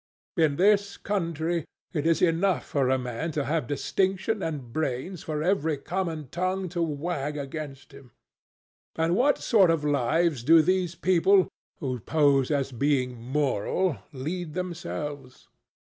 In this country, it is enough for a man to have distinction and brains for every common tongue to wag against him. And what sort of lives do these people, who pose as being moral, lead themselves?